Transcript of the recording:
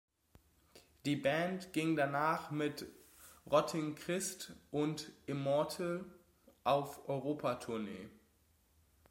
Die Band ging danach mit Rotting Christ und Immortal auf Europa-Tournee.